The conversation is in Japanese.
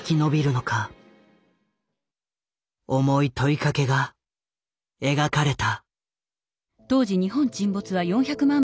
重い問いかけが描かれた。